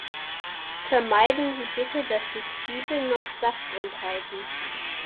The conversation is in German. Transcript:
Vermeiden Sie bitte, dass die Zwiebeln noch Saft enthalten.